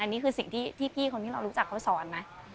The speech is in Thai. อันนี้คือสิ่งที่พี่คนที่เรารู้จักเขาสอนไหม